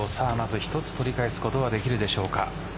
１つ取り返すことができるでしょうか。